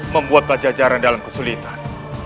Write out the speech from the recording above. membuat pak jajaran dalam kesulitan